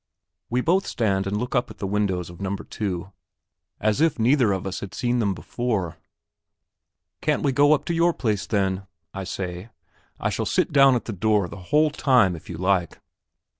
We both stand and look up at the windows of No. 2 as if neither of us had seen them before. "Can't we go up to your place, then?" I say; "I shall sit down at the door the whole time if you like."